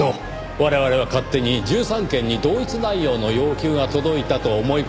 我々は勝手に１３軒に同一内容の要求が届いたと思い込んでいましたが。